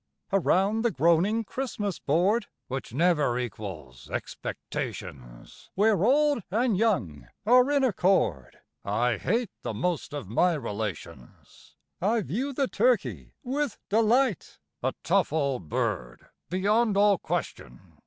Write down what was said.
_) Around the groaning Christmas board, (Which never equals expectations,) Where old and young are in accord (I hate the most of my relations!) I view the turkey with delight, (_A tough old bird beyond all question!